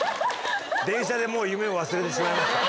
電車でもう夢を忘れてしまいました。